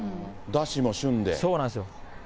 そうなんですよ。